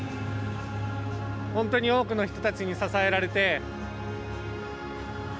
本当に多くの人たちに支えられて。